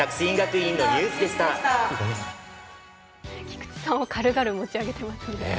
菊池さんを軽々持ち上げてますね。